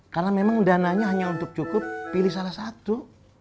karena memang dananya hanya untuk cukup pilih salah satu